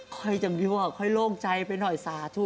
ค่อยจังยั่วค่อยโล่งใจไปหน่อยสาธุ